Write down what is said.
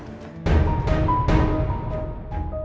dengar suara dewi